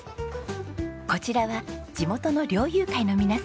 こちらは地元の猟友会の皆さん。